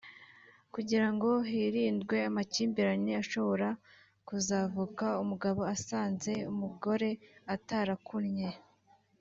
kugirango hirindwe amakimbirane ashobora kuzavuka umugabo asanze umugore atarakunnye